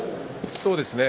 そうですね。